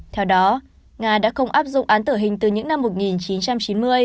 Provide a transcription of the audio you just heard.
theo đó nga đã không áp dụng án tử hình từ những năm một nghìn chín trăm chín mươi